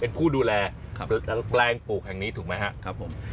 เป็นผู้ดูแลแปลงปลูกแห่งนี้ถูกไหมครับผม